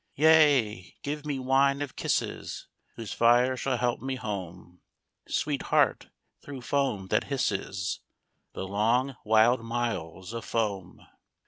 Yea, give me wine of kisses, Whose fire shall help me home, Sweetheart, through foam that hisses, The long wild miles of foam.